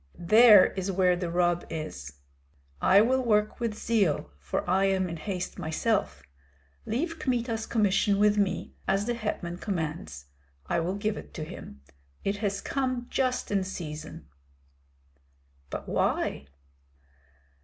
There is where the rub is. I will work with zeal, for I am in haste myself. Leave Kmita's commission with me, as the hetman commands; I will give it to him. It has come just in season." "But why?"